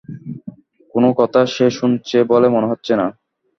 কোনো কথা সে শুনছে বলে মনে হচ্ছে না।